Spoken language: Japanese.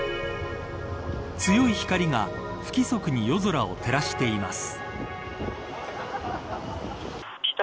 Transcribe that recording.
強い光が不規則に夜空を照らしています。